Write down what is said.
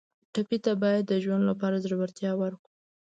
ټپي ته باید د ژوند لپاره زړورتیا ورکړو.